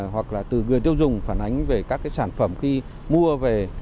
hoặc là từ người tiêu dùng phản ánh về các cái sản phẩm khi mua về